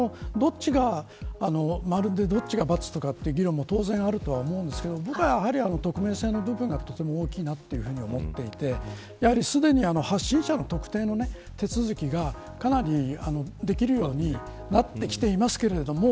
あとは、こういうどっちが丸でどっちがばつ、とかという議論も当然あるとは思うんですけど僕は匿名性の部分がとても大きいと思っていてすでに発信者の特定の手続きがかなりできるようになってきていますけれども。